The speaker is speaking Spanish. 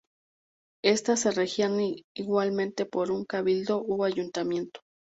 Éstas se regían igualmente por un cabildo o ayuntamiento.